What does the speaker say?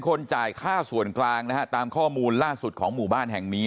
คนจ่ายค่าส่วนกลางนะฮะตามข้อมูลล่าสุดของหมู่บ้านแห่งนี้